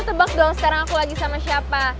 tebak dong sekarang aku lagi sama siapa